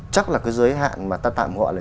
chắc là cái giới hạn mà ta tạm gọi là